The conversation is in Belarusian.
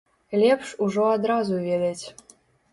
Лепш ужо адразу ведаць.